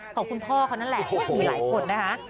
ของคุณพ่อเขานั่นแหละมีหลายคนนะคะ